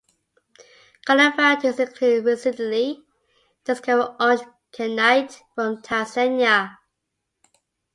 Color varieties include recently discovered orange kyanite from Tanzania.